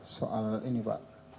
soal ini pak